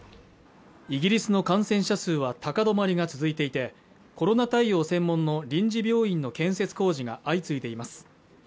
イギリスの感染者数は高止まりが続いていてコロナ対応専門の臨時病院の建設工事が相次いでいます